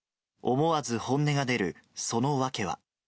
思わず本音が出るその訳は。